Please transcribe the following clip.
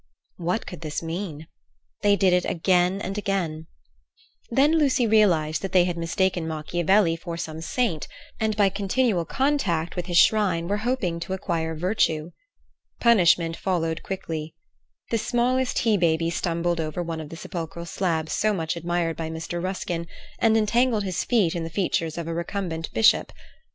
What could this mean? They did it again and again. Then Lucy realized that they had mistaken Machiavelli for some saint, hoping to acquire virtue. Punishment followed quickly. The smallest he baby stumbled over one of the sepulchral slabs so much admired by Mr. Ruskin, and entangled his feet in the features of a recumbent bishop.